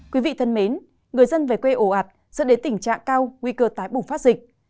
quý vị thân mến người dân về quê ổ ạt dẫn đến tình trạng cao nguy cơ tái bùng phát dịch